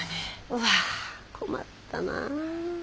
うわあ困ったな。